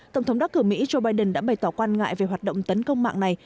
tổng thống đắc cử mỹ joe biden đã bày tỏ quan ngại về hoạt động tấn công mạng này